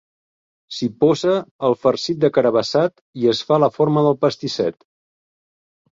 S'hi posa el farcit de carabassat i es fa la forma del pastisset.